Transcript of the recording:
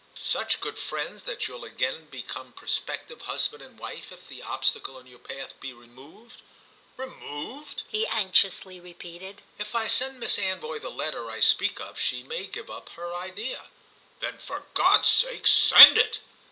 "Such good friends that you'll again become prospective husband and wife if the obstacle in your path be removed?" "Removed?" he anxiously repeated. "If I send Miss Anvoy the letter I speak of she may give up her idea." "Then for God's sake send it!"